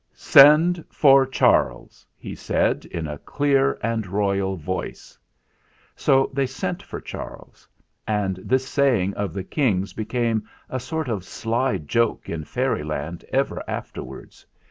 "Send for Charles!" he said in a clear and royal voice. So they sent for Charles; and this saying of the King's became a sort of sly joke in Fairyland ever afterwards.